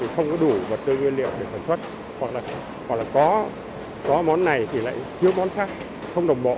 không có đủ vật tư nguyên liệu để sản xuất hoặc là hoặc là có món này thì lại thiếu món khác không đồng bộ